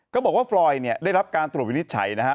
บอกว่าฟรอยเนี่ยได้รับการตรวจวินิจฉัยนะฮะ